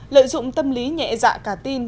lợi dụng tâm lý nhẹ dạ cả tin